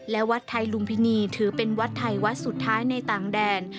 และวัดไทยลุมพินีถือเป็นวัดไทยวัดสุดท้ายในต่างแดน